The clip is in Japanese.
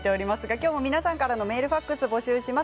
今日も皆さんからのメールファックスを募集します。